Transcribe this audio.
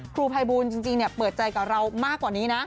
ครูภัยบูลจริงเปิดใจกับเรามากกว่านี้นะ